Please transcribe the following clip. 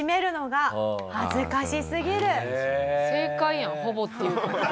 正解やん「ほぼ」っていうか。